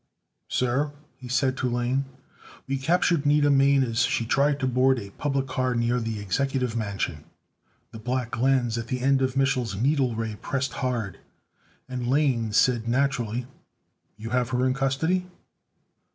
"Sir," he said to Lane, "we recaptured Nida Mane as she tried to board a public car near the Executive Mansion." The black lens at the end of Mich'l's needle ray pressed hard, and Lane said naturally: "You have her in custody?"